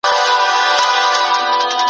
موږ به ژر امن ټینګ کړو.